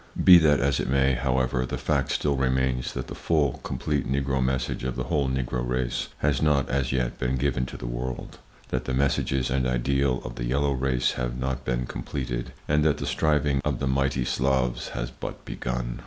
Be that as it may, however[Pg 10] the fact still remains that the full, complete Negro message of the whole Negro race has not as yet been given to the world: that the messages and ideal of the yellow race have not been completed, and that the striving of the mighty Slavs has but begun.